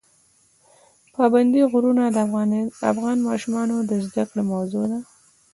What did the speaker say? پابندی غرونه د افغان ماشومانو د زده کړې موضوع ده.